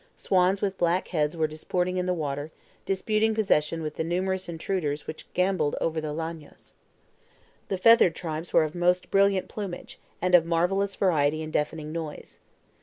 Swans with black heads were disporting in the water, disputing possession with the numerous intruders which gamboled over the LLANOS. The feathered tribes were of most brilliant plumage, and of marvelous variety and deafening noise.